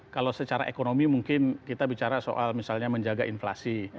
kalau secara ekonomi mungkin kita bicara soal misalnya menjaga inflasi